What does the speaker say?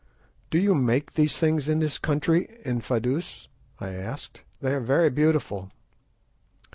"Do you make these things in this country, Infadoos?" I asked; "they are very beautiful."